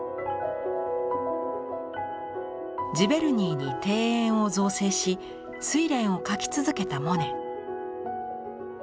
ジヴェルニーに庭園を造成し睡蓮を描き続けたモネ。